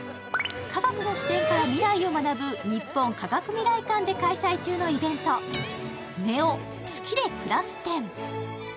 科学の視点から未来を学ぶ日本科学未来館で開催中のイベント、ＮＥＯ月でくらす展。